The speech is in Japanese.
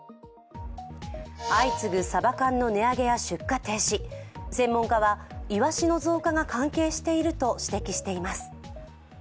相次ぐサバ缶の値上げや出荷停止、専門家は、イワシの増加が関係していると指摘しています。